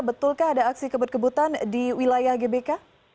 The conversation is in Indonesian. betulkah ada aksi kebut kebutan di wilayah gbk